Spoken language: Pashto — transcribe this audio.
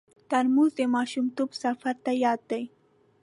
ترموز د ماشومتوب سفر ته یاد دی.